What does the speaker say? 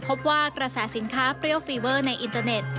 พบว่ากระแสสินค้าเปรี้ยวฟีเวอร์ในอินเตอร์เน็ต